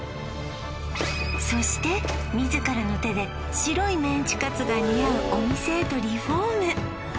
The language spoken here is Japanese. そして自らの手で白いメンチカツが似合うお店へとリフォーム